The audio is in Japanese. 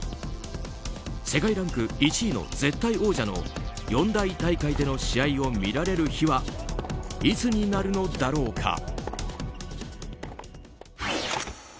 世界ランク１位の絶対王者の四大大会での試合を見られる日はいつになるのだろうか。